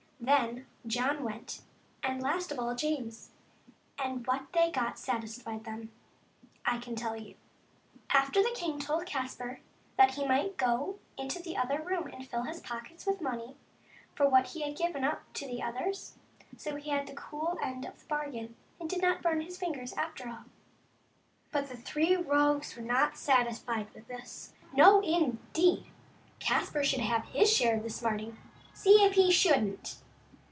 Then John went, and last of all James, and what they got satisfied them, I can tell you. After that the king told Caspar that he might go into the other room and fill his pockets with money for what he had given up to the others ; so he had the cool end of that bargain, and did not bum his fingers after all. But the three rogues were not satisfied with this. No, indeed ! Caspar should have his share of the smarting, see if he shouldn't